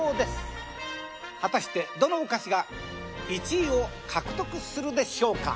果たしてどのお菓子が１位を獲得するでしょうか？